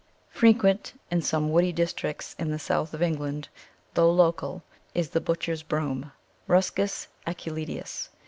Frequent in some woody districts in the south of England, though local, is the Butcher's Broom (Ruscus aculeatus).